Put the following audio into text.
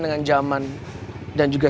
dengan zaman dan juga